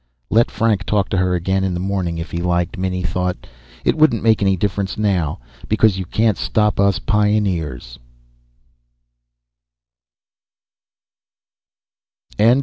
Let Frank talk to her again in the morning if he liked, Minnie thought. _It wouldn't make any difference now. Because you can't stop us pioneers.